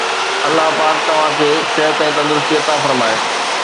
الله پاڪ توهان کي صحت ۽ تندرستي عطا فرمائي.